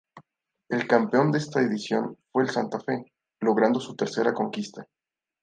El campeón de esta edición fue el Santa Fe, logrando su tercera conquista.